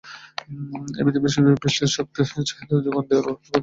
এটি পৃথিবীর পৃষ্ঠের শক্তির চাহিদার যোগান দেয়ার জন্য একটি গুরুত্বপূর্ণ উৎস।